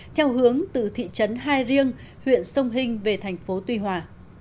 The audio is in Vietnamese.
theo hướng từ thị trấn hai riêng huyện sông hinh về thành phố tuy hòa